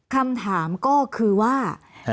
คำถามก็คือว่า